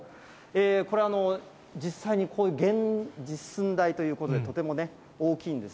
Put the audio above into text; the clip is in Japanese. これ、実際にこういう実寸大ということで、とてもね、大きいんです。